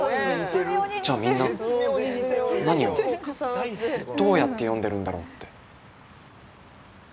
じゃあ、みんな何をどうやって読んでるんだろうって。